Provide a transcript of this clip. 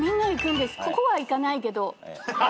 ここは行かないけど。